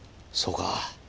そうか。